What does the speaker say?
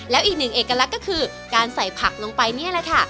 แล้วอีกหนึ่งเอกลักษณ์ก็คือการใส่ผักลงไปนี่แหละค่ะ